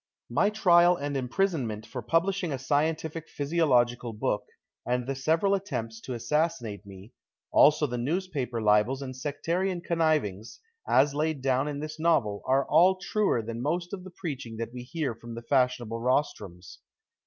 My trial and imprisonment for publishing a scientific physiological book, and tlie several attempts to assassinate me, also the newspaper libels and sectarian connivings, as laid down in this novel, are all truer than most of the preaching that we hear from the fashionable rostrums.